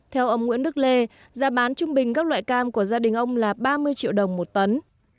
theo ông nguyễn đức lê giá bán trung bình các loại cam của gia đình ông là ba mươi triệu đồng một tấn